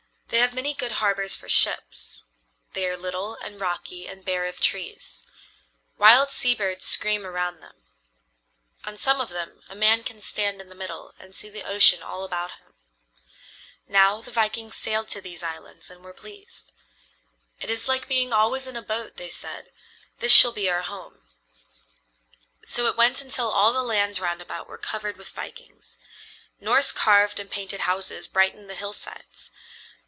They have many good harbors for ships. They are little and rocky and bare of trees. Wild sea birds scream around them. On some of them a man can stand in the middle and see the ocean all about him. Now the vikings sailed to these islands and were pleased. [Illustration: "In Norway they left burning houses and weeping women"] "It is like being always in a boat," they said. "This shall be our home." So it went until all the lands round about were covered with vikings. Norse carved and painted houses brightened the hillsides.